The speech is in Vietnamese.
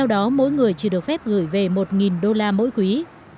đó mỗi người chỉ được phép gửi về một đô la mỗi quý